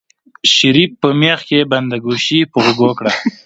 شريف په مېخ کې بنده ګوشي په غوږو کړه.